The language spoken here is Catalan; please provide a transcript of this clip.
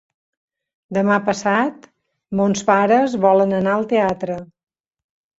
Demà passat mons pares volen anar al teatre.